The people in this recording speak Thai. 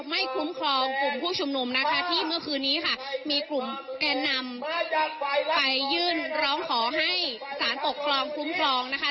คุ้มครองกลุ่มผู้ชุมนุมนะคะที่เมื่อคืนนี้ค่ะมีกลุ่มแกนนำไปยื่นร้องขอให้สารปกครองคุ้มครองนะคะ